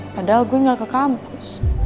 padahal gue gak ke kampus